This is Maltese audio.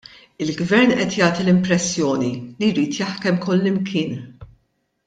Il-Gvern qed jagħti l-impressjoni li jrid jaħkem kullimkien.